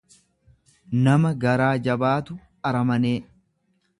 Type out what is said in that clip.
nama garaa jabaatu, aramanee.